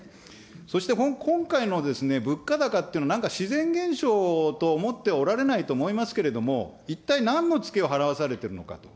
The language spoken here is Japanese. そして今回の物価高っていうのは、なんか自然現象と思っておられないと思いますけれども、一体何のつけを払わされているのかと。